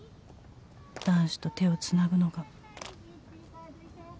「男子と手をつなぐのが」